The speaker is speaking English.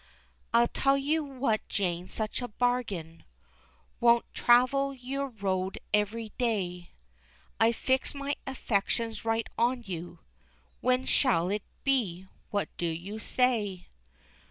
I tell you what, Jane, such a bargain Won't travel your road every day, I've fixed my affections right on you, When shall it be? What do you say?